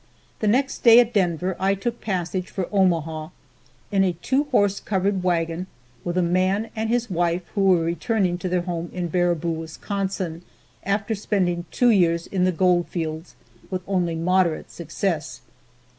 The next day at Denver I took passage for Omaha, in a two horse covered wagon, with a man and his wife who were returning to their home in Baraboo, Wis., after spending two years in the gold fields with only moderate success.